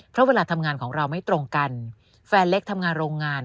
เพราะเวลาทำงานของเราไม่ตรงกันแฟนเล็กทำงานโรงงาน